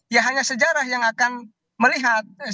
ya hanya sejarah yang akan melihat